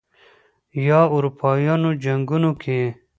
یا اروپايانو جنګونو کې